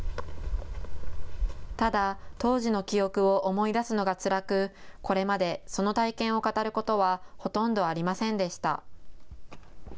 ただ当時の記憶を思い出すのがつらくこれまでその体験を語ることはほとんどありませんでした。